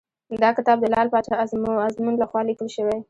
دا کتاب د لعل پاچا ازمون لخوا لیکل شوی .